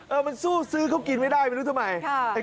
มันสู้ซื้อเขากินไม่ได้ไม่รู้ทำไม